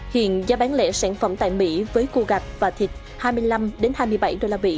hiện giá bán lẻ sản phẩm tại mỹ với cô gạch và thịt hai mươi năm hai mươi bảy usd